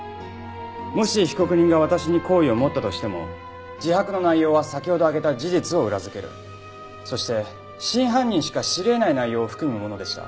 もし被告人が私に好意を持ったとしても自白の内容は先ほど挙げた事実を裏付けるそして真犯人しか知り得ない内容を含むものでした。